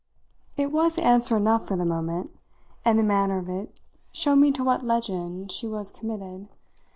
It was answer enough for the moment, and the manner of it showed me to what legend she was committed.